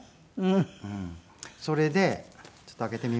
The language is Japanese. それでちょっと開けてみますね。